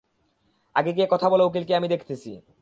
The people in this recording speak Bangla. আগে গিয়া কথা বলো, উকিলকে আমি দেখতেছি।